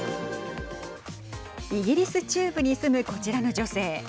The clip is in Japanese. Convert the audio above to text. イギリス中部に住むこちらの女性。